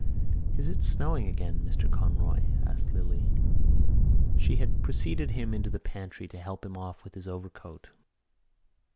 "Is it snowing again, Mr Conroy?" asked Lily. She had preceded him into the pantry to help him off with his overcoat.